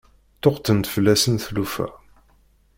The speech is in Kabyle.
Ṭṭuqqtent fell-asen tlufa.